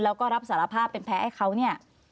แล้วก็รับสารภาพเป็นแพ้ให้เขาเนี่ย